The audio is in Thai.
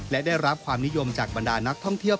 และได้รับความนิยมจากบรรดานักท่องเที่ยว